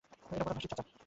এটা প্রথম হাঁসটির চাচা।